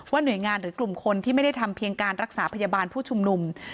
หน่วยงานหรือกลุ่มคนที่ไม่ได้ทำเพียงการรักษาพยาบาลผู้ชุมนุม